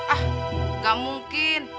ah gak mungkin